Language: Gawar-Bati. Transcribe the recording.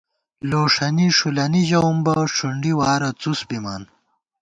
لوݭَنی ݭُلَنی ژَوُم بہ ، ݭُنڈی وارہ څُس بِمان